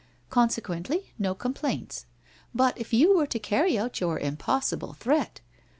Consequently no complaints. But if you were to carry out your impos sible threat